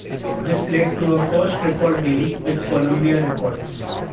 This led to her first record deal with Columbia Records.